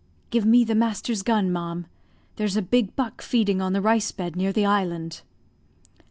"Give me the master's gun, ma'am; there's a big buck feeding on the rice bed near the island."